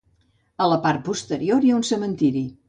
A la part posterior hi ha un cementiri.